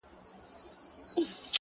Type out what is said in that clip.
• دې يوه لمن ښكلا په غېږ كي ايښې ده؛